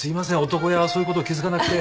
男親はそういうこと気付かなくて。